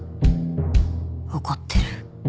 怒ってる